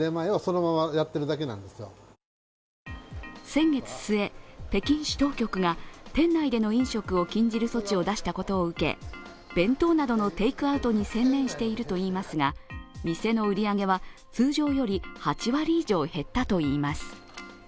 先月末、北京市当局が店内での飲食を禁止する措置を出したことを受け弁当などのテークアウトに専念しているといいますが店の売り上げは通常より８割以上減ったといいます。